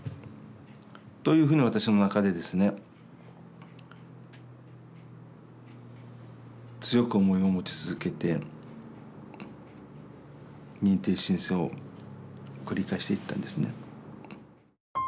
というふうに私の中でですね強く思いを持ち続けて認定申請を繰り返していったんですね。